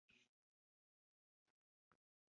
迎和门和景圣门均为原归州的城门。